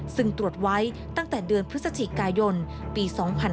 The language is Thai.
ซึ่งตรวจไว้ตั้งแต่เดือนพฤศจิกายนปี๒๕๕๙